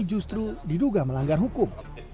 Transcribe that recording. justru diduga melanggar hukum